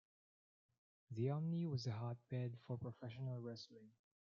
The Omni was a hotbed for professional wrestling.